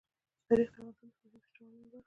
تاریخ د افغانستان د فرهنګي فستیوالونو برخه ده.